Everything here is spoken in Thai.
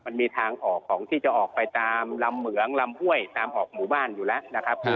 มันมีทางออกของที่จะออกไปตามลำเหมืองลำห้วยตามออกหมู่บ้านอยู่แล้วนะครับ